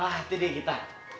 wah hati dia kita